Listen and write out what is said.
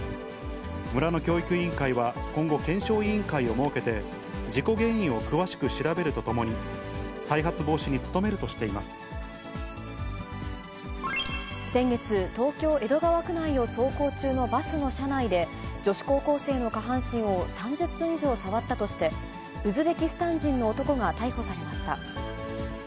村の教育委員会は今後検証委員会を設けて、事故原因を詳しく調べるとともに、先月、東京・江戸川区内の走行中のバスの車内で、女子高校生の下半身を３０分以上触ったとして、ウズベキスタン人の男が逮捕されました。